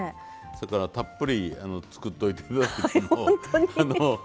そやからたっぷり作っといて頂いても。